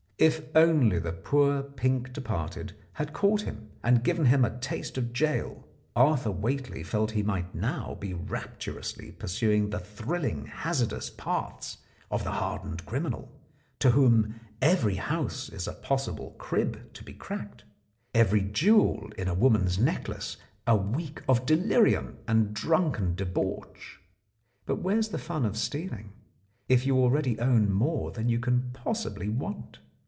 If only the poor pink departed had caught him and given him a taste of gaol, Arthur Whately felt that he might now be rapturously pursuing the thrilling hazardous paths of the hardened criminal, to whom every house is a possible crib to be cracked, every jewel in a woman's 35 The Blackmailer of Park Lane necklace a week of delirium and drunken debauch. But where is the fun of stealing if you already own more than you can possibly want